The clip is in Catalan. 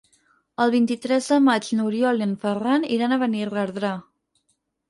El vint-i-tres de maig n'Oriol i en Ferran iran a Benirredrà.